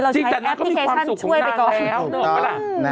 เราใช้แอปพลิเคชันช่วยไปก่อน